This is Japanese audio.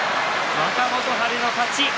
若元春の勝ち。